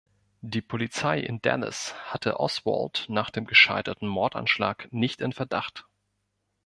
Die Polizei in Dallas hatte Oswald nach dem gescheiterten Mordanschlag nicht in Verdacht.